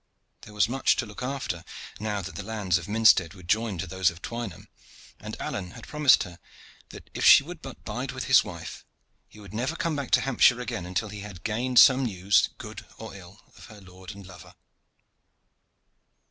There was much to look after, now that the lands of Minstead were joined to those of Twynham, and Alleyne had promised her that if she would but bide with his wife he would never come back to Hampshire again until he had gained some news, good or ill, of her lord and lover.